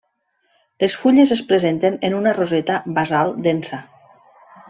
Les fulles es presenten en una roseta basal densa.